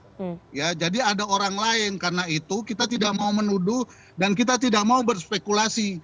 ya jadi ada orang lain karena itu kita tidak mau menuduh dan kita tidak mau berspekulasi